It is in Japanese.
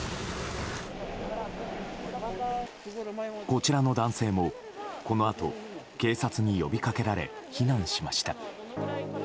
こちらの男性もこのあと警察に呼びかけられ避難しました。